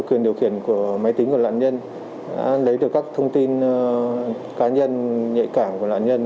khi thấy được các thông tin cá nhân nhạy cảm của nạn nhân